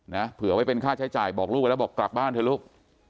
เผื่อไว้เป็นค่าใช้จ่ายบอกลูกไว้แล้วบอกกลับบ้านเถอะลูก